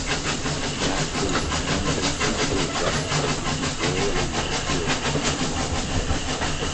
Matches normally feature wrestlers who rarely appear on "Impact!".